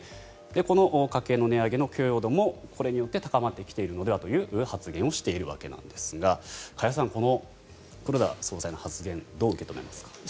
この家計の値上げの許容度もこれによって高まってきているのではという発言をしているわけですが加谷さん、この黒田総裁の発言どう受け止めますか。